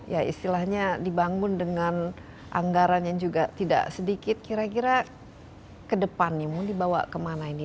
ya istilahnya dibangun dengan anggaran yang juga tidak sedikit kira kira ke depannya mau dibawa kemana ini